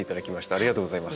ありがとうございます。